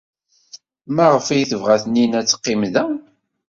Maɣef ay tebɣa Taninna ad teqqim da?